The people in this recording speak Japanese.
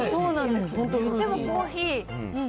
でもコーヒー。